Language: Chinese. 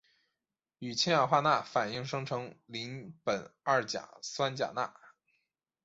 与氢氧化钠反应生成邻苯二甲酸钾钠。